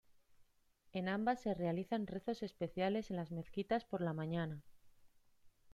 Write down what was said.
En ambas se realizan rezos especiales en las mezquitas por la mañana.